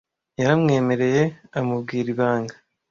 yaramwemereye amubwira ibanga.